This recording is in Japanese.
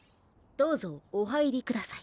どうぞおはいりください。